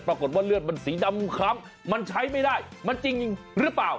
ปรากฏว่าเลือดมันสีดำคล้ำมันใช้ไม่ได้มันจริงหรือเปล่า